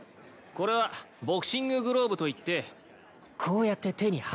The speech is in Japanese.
これはボクシンググローブといってこうやって手にはめて。